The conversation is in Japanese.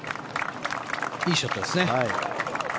いいショットですね。